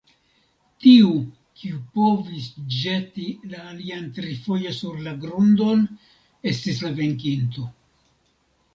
Tiu, kiu povis ĵeti la alian trifoje sur la grundon, estis la venkinto.